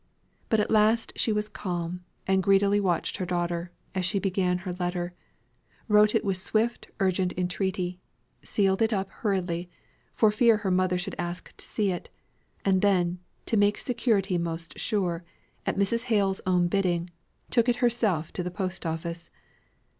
But at last she was calm, and greedily watched her daughter, as she began her letter; wrote it with swift urgent entreaty; sealed it up hurriedly, for fear her mother should ask to see it: and then to make security most sure, at Mrs. Hale's own bidding, took it herself to the post office.